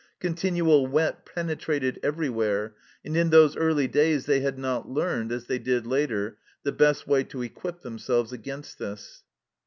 Continual wet penetrated everywhere, and in those early days they had not learned, as they did later, the best way to equip themselves against this.